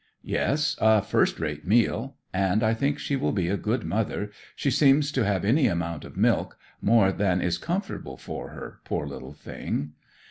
"Yes; a first rate meal. And I think she will be a good mother. She seems to have any amount of milk more than is comfortable for her, poor little thing!"